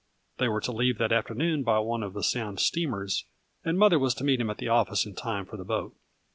They were to leave that afternoon by one of the Sound steamers, and mother was to meet him at the office in time for the boat.